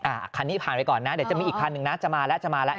คันนี้ผ่านไปก่อนนะเดี๋ยวจะมีอีกคันหนึ่งนะจะมาแล้วจะมาแล้ว